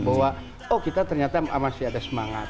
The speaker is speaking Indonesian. bahwa oh kita ternyata masih ada semangat